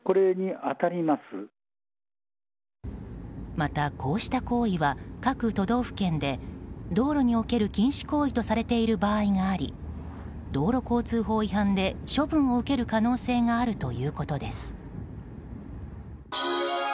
また、こうした行為は各都道府県で道路における禁止行為とされている場合があり道路交通法違反で処分を受ける可能性があるということです。